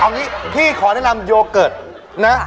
เอางี้พี่ขอแนะนำโยเกิร์ตนะ